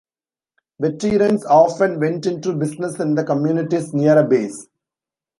Veterans often went into business in the communities near a base.